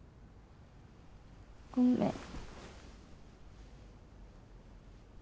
ごめん。